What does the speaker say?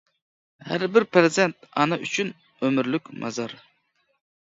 ھەر بىر پەرزەنت ئانا ئۈچۈن ئۆمۈرلۈك مازار.